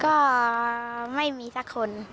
ก็ไม่มีสักคน